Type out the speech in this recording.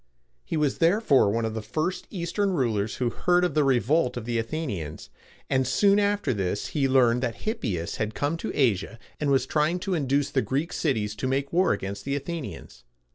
He was therefore one of the first Eastern rulers who heard of the revolt of the Athenians; and soon after this he learned that Hippias had come to Asia, and was trying to induce the Greek cities to make war against the Athenians.